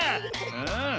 うん。